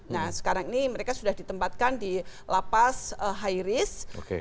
nah sekarang ini mereka sudah ditempatkan di lapas hairis